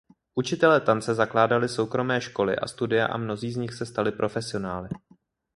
Učitelé tance zakládali soukromé školy a studia a mnozí z nich se stali profesionály.